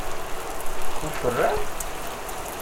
Kuferran?